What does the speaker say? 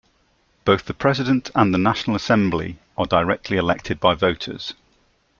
Both the President and the National Assembly are directly elected by voters.